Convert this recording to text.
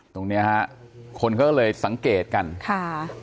ตรงเนี้ยฮะคนเขาก็เลยสังเกตกันค่ะ